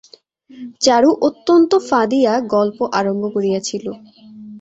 চারু অত্যন্ত ফাঁদিয়া গল্প আরম্ভ করিয়াছিল।